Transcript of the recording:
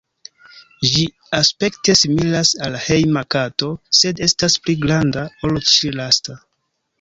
Ĝi aspekte similas al hejma kato, sed estas pli granda ol ĉi-lasta.